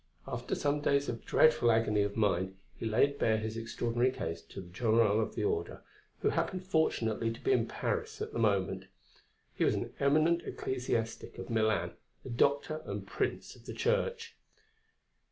After some days of dreadful agony of mind, he laid bare his extraordinary case to the General of the Order, who happened fortunately to be in Paris at the moment. He was an eminent ecclesiastic of Milan, a Doctor and Prince of the Church.